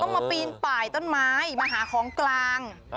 มาปีนป่ายต้นไม้มาหาของกลาง